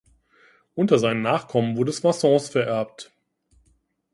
Unter seinen Nachkommen wurde Soissons vererbt.